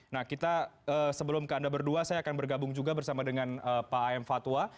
nah kita sebelum ke anda berdua saya akan bergabung juga bersama dengan pak aem fatwa